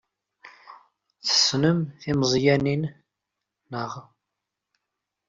Tessnem timeẓyanin, naɣ?